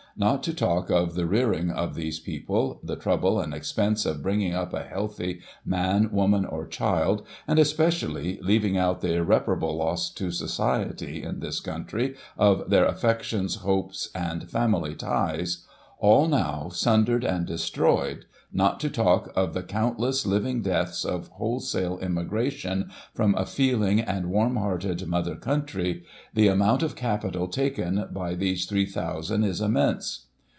Not to talk of the rearing of these people — the trouble and expense of bringing up a healthy man, woman, or child, and, especially, leaving out the irreparable loss to society, in this country, of their affec tions, hopes, and family ties — all, now, sundered and des troyed — ^not to talk of the countless living deaths of whole sale emigration from a feeling and warm hearted mother country — the amount of capital taken by these 3,000 is im mense.